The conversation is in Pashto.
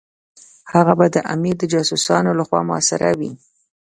هغه به د امیر د جاسوسانو لخوا محاصره وي.